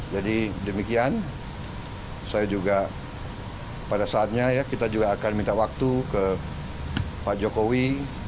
jadi demikian saya juga pada saatnya ya kita juga akan minta waktu ke pak jokowi